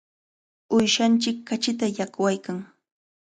Uyshanchik kachita llaqwaykan.